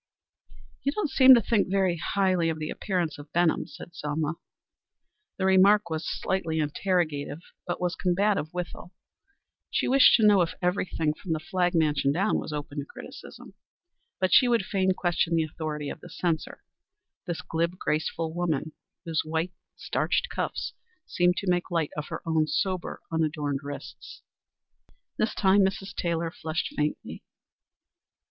"You don't seem to think very highly of the appearance of Benham," said Selma. The remark was slightly interrogative, but was combative withal. She wished to know if everything, from the Flagg mansion down, was open to criticism, but she would fain question the authority of the censor this glib, graceful woman whose white, starched cuffs seemed to make light of her own sober, unadorned wrists. This time Mrs. Taylor flushed faintly.